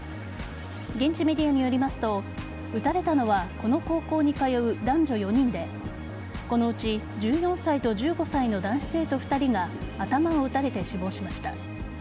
現地メディアによりますと撃たれたのはこの高校に通う男女４人でこのうち１４歳と１５歳の男子生徒２人が頭を撃たれて死亡しました。